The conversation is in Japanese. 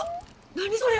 何それ！